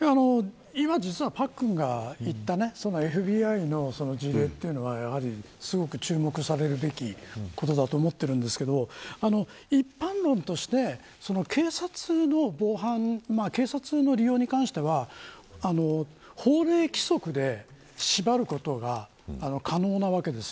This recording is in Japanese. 今、実はパックンが言ったＦＢＩの事例というのはすごく注目されるべきことだと思っているんですが一般論として警察の防犯や警察の利用に関しては法令規則で縛ることが可能なわけです。